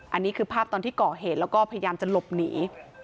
อันนี้คือภาพตอนที่ก่อเหตุแล้วก็พยายามจะหลบหนี